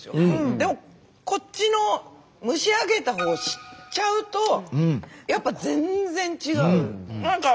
でもこっちの蒸し上げたほうを知っちゃうとやっぱ全然違う。